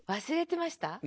忘れてました？